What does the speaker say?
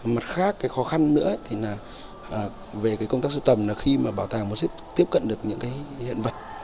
mặt khác khó khăn nữa thì là về công tác siêu tầm là khi mà bảo tàng muốn tiếp cận được những hiện vật